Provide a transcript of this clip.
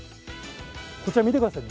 こちら見てください。